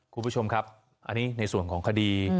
คุณผู้ชมครับอันนี้ในส่วนของคดี